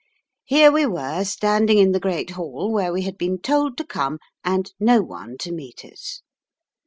Here we were standing in the great hall, where we had been told to come, and no one to meet us.